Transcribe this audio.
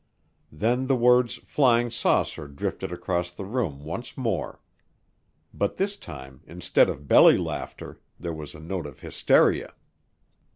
Then the words "flying saucer" drifted across the room once more. But this time instead of belly laughter there was a note of hysteria.